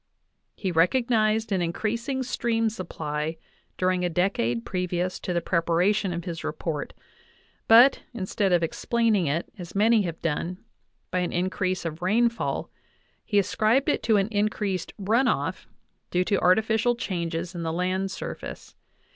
He recognized an increasing stream supply during a decade previous to the preparation of his report; but, instead of explaining it, as many have done, by an increase of rainfall, he ascribed it to an increased "run off" due to artificial changes in the land surface.